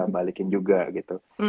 balikin juga gitu